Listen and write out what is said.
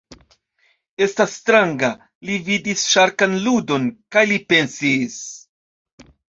Estas stranga. Li vidis ŝarkan ludon, kaj li pensis: